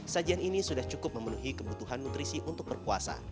sajian ini sudah cukup memenuhi kebutuhan nutrisi untuk berpuasa